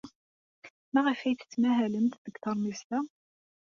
Maɣef ay tettmahalemt deg teṛmist-a?